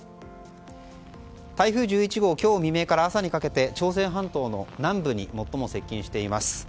台風１１号今日未明から朝にかけて朝鮮半島の南部に最も接近しています。